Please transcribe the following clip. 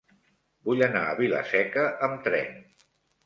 Vull anar a Vila-seca amb tren.